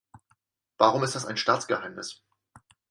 Warum ist das ein Staatsgeheimnis?